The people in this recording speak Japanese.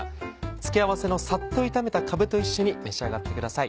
付け合わせのサッと炒めたかぶと一緒に召し上がってください。